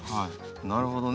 なるほどね。